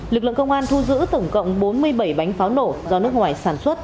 lực lượng công an thu giữ tổng cộng bốn mươi bảy bánh pháo nổ do nước ngoài sản xuất